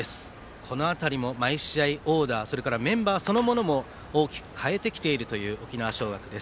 この辺りも毎試合、オーダーメンバーそのものも大きく変えてきている沖縄尚学。